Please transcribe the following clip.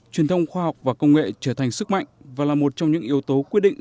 truyền thông khoa học và công nghệ trở thành sức mạnh và là một trong những yếu tố quyết định